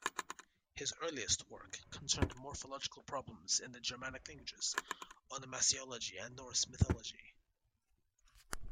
His earliest work concerned morphological problems in the Germanic languages, Onomasiology and Norse mythology.